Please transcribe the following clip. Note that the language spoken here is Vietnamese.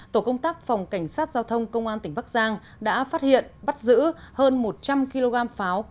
tổ công tác phòng cảnh sát giao thông công an tỉnh bắc giang đã phát hiện bắt giữ hơn một trăm linh kg pháo